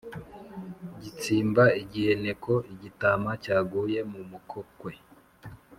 Gitsimba igiheneko-Igitama cyaguye mu mukokwe.